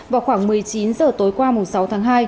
vào khoảng một mươi chín h tối qua sáu tháng hai